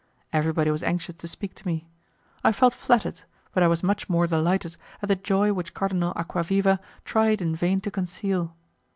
Everybody was anxious to speak to me. I felt flattered, but I was much more delighted at the joy which Cardinal Acquaviva tried in vain to conceal.